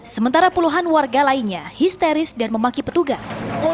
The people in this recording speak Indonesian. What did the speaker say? sementara puluhan warga lainnya histeris dan memaki petugas